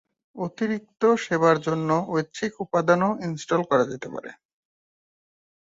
অতিরিক্ত সেবার জন্য ঐচ্ছিক উপাদানও ইনস্টল করা যেতে পারে।